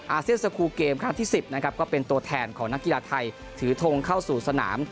อาเซียนสกูลเกมครั้งที่๑๐นะครับก็เป็นตัวแทนของนักกีฬาไทยถือทงเข้าสู่สนาม